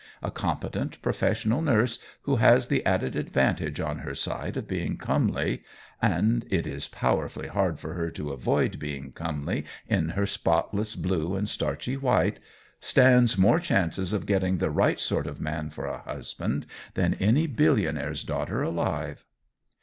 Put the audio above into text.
A competent, professional nurse who has the added advantage on her side of being comely and it is powerfully hard for her to avoid being comely in her spotless blue and starchy white stands more chances of getting the right sort of man for a husband than any billionaire's daughter alive.